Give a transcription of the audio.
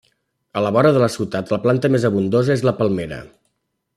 A la vora de la ciutat la planta més abundosa és la palmera.